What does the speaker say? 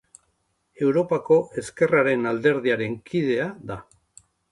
Europako Ezkerraren Alderdiaren kidea da.